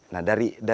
nah dari ini